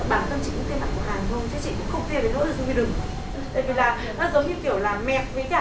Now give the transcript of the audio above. bản thân chị cũng tiêm bằng của hàn quốc chứ chị cũng không tiêm đến nỗi dung vi đường